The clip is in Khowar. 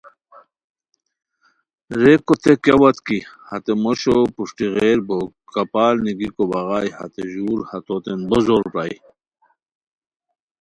ریکو تھے کیاوت کی ہتے موشو پروشٹی غیر بوک کپال نیگیکو بغائے ہتے ژور ہتوتین بو زور پرائے